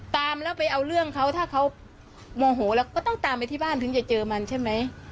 ตามแล้วไปเอาเรื่องเขาถ้าเขาโมโหเราก็ต้องตามไปที่บ้านถึงจะเจอมันใช่ไหม